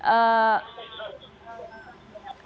pak dhani bisa mendengar